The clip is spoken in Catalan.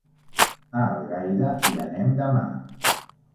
A Algaida hi anem demà.